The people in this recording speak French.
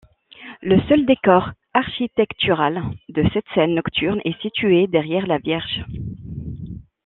Le seul décor architectural de cette scène nocturne est situé derrière la Vierge.